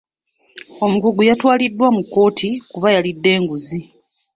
Omukungu yatwaliddwa mu kkooti kubanga yalidde enguzi.